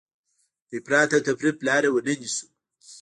د افراط او تفریط لاره ونه نیسو.